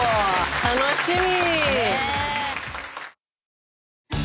楽しみ。